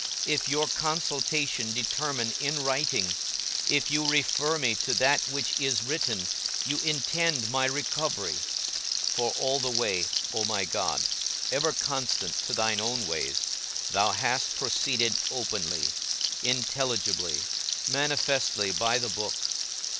If your consultation determine in writing, if you refer me to that which is written, you intend my recovery: for all the way, O my God (ever constant to thine own ways), thou hast proceeded openly, intelligibly, manifestly by the book.